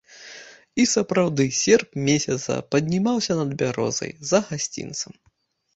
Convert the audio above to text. І сапраўды серп месяца паднімаўся над бярозай, за гасцінцам.